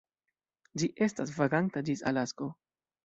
Ĝi estas vaganta ĝis Alasko.